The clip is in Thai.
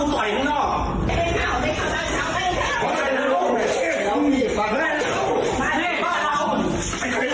ไม่เป็นข่าวไม่เป็นข่าว